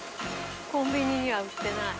コンビニには売ってない。